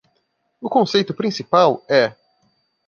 O conceito principal é